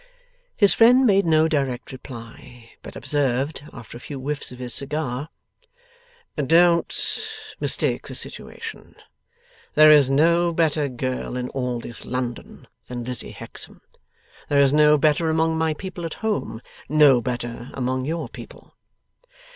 His friend made no direct reply, but observed, after a few whiffs of his cigar, 'Don't mistake the situation. There is no better girl in all this London than Lizzie Hexam. There is no better among my people at home; no better among your people.